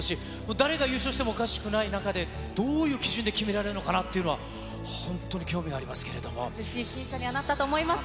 誰が優勝してもおかしくない中で、どういう基準で決められるのかなっていうのは、本当に厳しい審査にはなったと思い